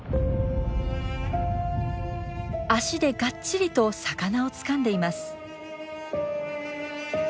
足でガッチリと魚をつかんでいます。